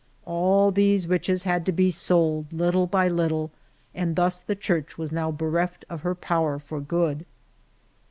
"All these riches had to be sold, little by little, and thus the church was now bereft of her power for good."